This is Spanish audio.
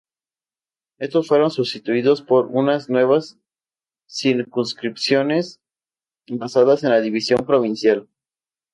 Estos fueron sustituidos por unas nuevas circunscripciones basadas en la división provincial.